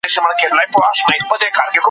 دا ګڼ غنم ښه نه ايسي .